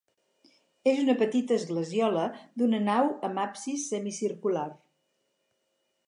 És una petita esglesiola d'una nau amb absis semicircular.